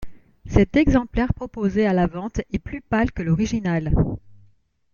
Cet exemplaire proposé à la vente est plus pâle que l'original.